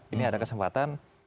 ini ada kesempatan